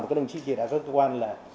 các đồng chí chỉ đạo các cơ quan là